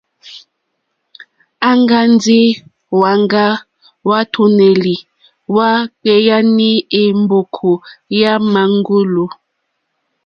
Aŋga ndi hwaŋga hwàtùnèlì hwa kpeyani è mbòkò yà màŋgulu.